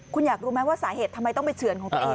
คุณอยากรู้ไหมว่าสาเหตุทำไมต้องไปเฉือนของตัวเอง